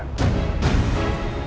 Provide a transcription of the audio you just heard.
jangan sampai melihatnya